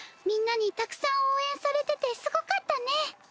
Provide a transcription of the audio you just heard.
みんなにたくさん応援されててずごかったね。